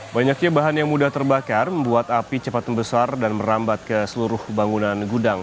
banyaknya bahan yang mudah terbakar membuat api cepat membesar dan merambat ke seluruh bangunan gudang